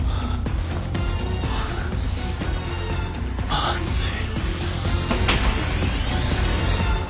まずい。